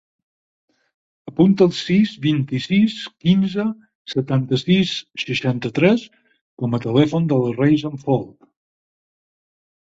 Apunta el sis, vint-i-sis, quinze, setanta-sis, seixanta-tres com a telèfon de la Razan Folch.